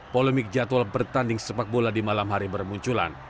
polemik jadwal bertanding sepak bola di malam hari bermunculan